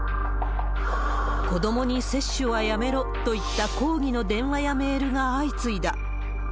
子どもに接種はやめろといった抗議の電話やメールが相次いだ。